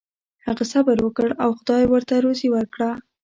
هغه صبر وکړ او خدای ورته روزي ورکړه.